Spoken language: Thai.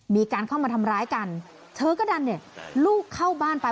มีการเข้ามาทำร้ายกันเธอก็ดันเนี่ยลูกเข้าบ้านไป